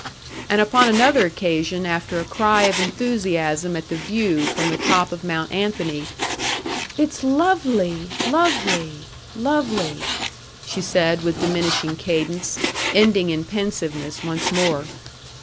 And upon another occasion, after a cry of enthusiasm at the view from the top of Mount Anthony, "It's lovely, lovely, lovely," she said, with diminishing cadence, ending in pensiveness once more.